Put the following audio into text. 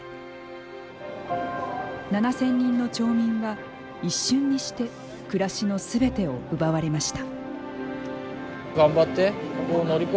７０００人の町民は、一瞬にして暮らしのすべてを奪われました。